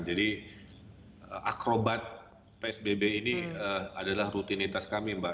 jadi akrobat psbb ini adalah rutinitas kami mbak